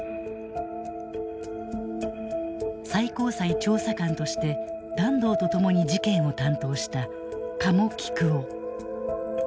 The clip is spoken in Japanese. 最高裁調査官として團藤と共に事件を担当した加茂紀久男。